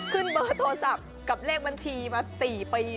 เบอร์โทรศัพท์กับเลขบัญชีมา๔ปี